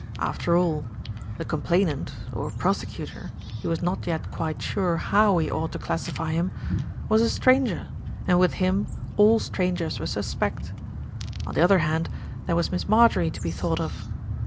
After all, the complainant or prosecutor, he was not yet quite sure how he ought to classify him, was a stranger, and with him all strangers were suspect. On the other hand, there was Miss Marjorie to be thought of.